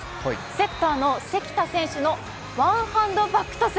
セッターの関田選手のワンハンドバックトス。